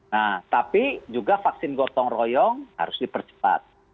nah tapi juga vaksin gotong royong harus dipercepat